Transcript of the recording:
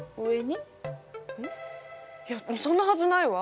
いやそんなハズないわ！